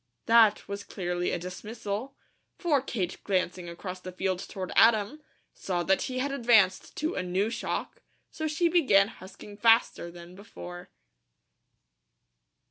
That was clearly a dismissal, for Kate glancing across the field toward Adam, saw that he had advanced to a new shock, so she began husking faster than before.